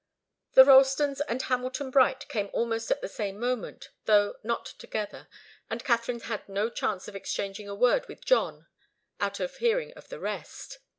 The Ralstons and Hamilton Bright came almost at the same moment, though not together, and Katharine had no chance of exchanging a word with John out of hearing of the rest.